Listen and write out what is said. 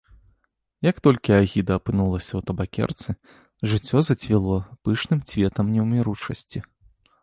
Як толькі агіда апынулася ў табакерцы, жыццё зацвіло пышным цветам неўміручасці.